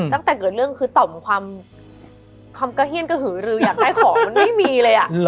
ตั้งแต่เกิดเรื่องคือต่อมความกระเฮียนกระหือรืออยากได้ของมันไม่มีเลย